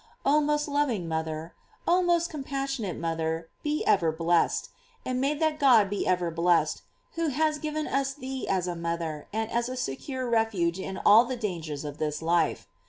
] Oh, most loving mother! Oh, most compassionate mother, be ever blessed! and may that God be ever blessed, who has given us thee as a mother, and as a secure refuge in all the dangers of this life.